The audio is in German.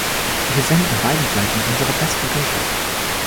Wir senden beiden Seiten unsere besten Wünsche.